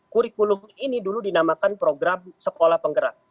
kurikulum ini dulu dinamakan program sekolah penggerak